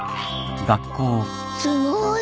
すごーい！